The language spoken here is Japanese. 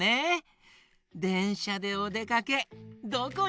でんしゃでおでかけどこにいこう？